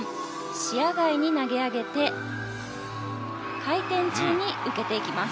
視野外に投げ上げて回転中に受けていきます。